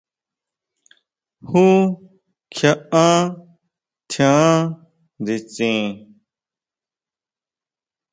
¿Jú kjiʼá tjián nditsin?